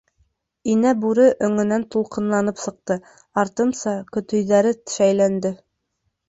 Инә Бүре өңөнән тулҡынланып сыҡты, артынса көтөйҙәре шәйләнде.